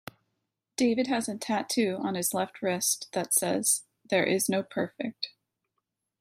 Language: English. David has a tattoo on his left wrist that says "There Is No Perfect".